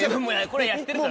これやってるから。